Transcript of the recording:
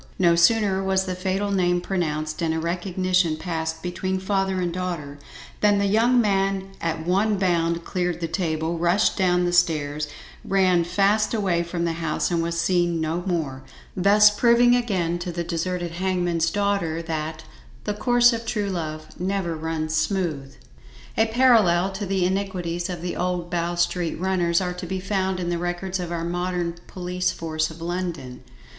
No sooner was the fatal name pronounced and a recognition passed between father and daughter, than the young man at one bound cleared the table, rushed down the stairs, ran fast away from the house and was seen no more; thus proving again to the deserted hangman's daughter, that "the course of true love never runs smooth." A parallel to the iniquities of the old Bow Street runners are to be found in the records of our modern police force of London.